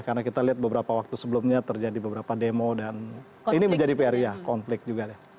karena kita lihat beberapa waktu sebelumnya terjadi beberapa demo dan ini menjadi periode konflik juga ya